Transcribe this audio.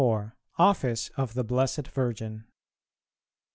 _Office of the Blessed Virgin.